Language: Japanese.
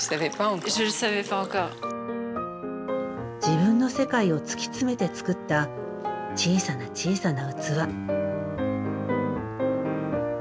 自分の世界を突き詰めて作った小さな小さな器。